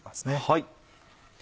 はい。